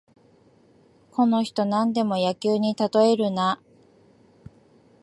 この人、なんでも野球にたとえるな